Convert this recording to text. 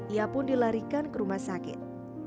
ia pun dilarikan ke rumah sakit